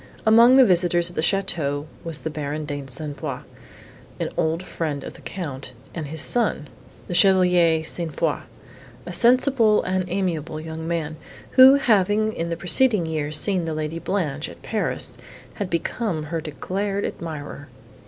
Among the visitors at the château was the Baron de Saint Foix, an old friend of the Count, and his son, the Chevalier St. Foix, a sensible and amiable young man, who, having in the preceding year seen the Lady Blanche, at Paris, had become her declared admirer.